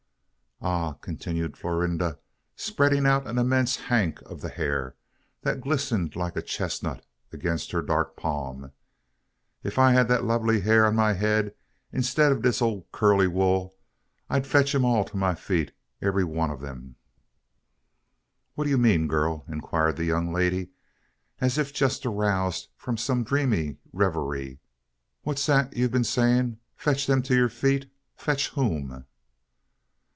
"Ah!" continued Florinda, spreading out an immense "hank" of the hair, that glistened like a chestnut against her dark palm, "if I had dat lubbly hair on ma head, in'tead ob dis cuss'd cully wool, I fotch em all to ma feet ebbry one oh dem." "What do you mean, girl?" inquired the young lady, as if just aroused from some dreamy reverie. "What's that you've been saying? Fetch them to your feet? Fetch whom?"